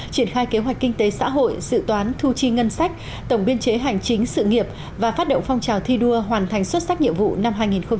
triển khai kế hoạch kinh tế xã hội dự toán thu chi ngân sách tổng biên chế hành chính sự nghiệp và phát động phong trào thi đua hoàn thành xuất sắc nhiệm vụ năm hai nghìn hai mươi